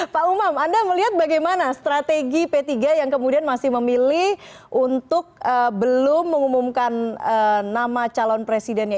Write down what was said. pak umam anda melihat bagaimana strategi p tiga yang kemudian masih memilih untuk belum mengumumkan nama calon presidennya